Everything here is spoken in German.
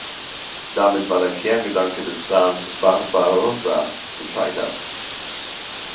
Damit war der Kerngedanke des „Plans Barbarossa“ gescheitert.